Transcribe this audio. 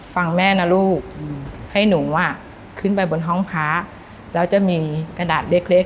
ฟังแม่นะลูกให้หนูอ่ะขึ้นไปบนห้องพระแล้วจะมีกระดาษเล็กเล็ก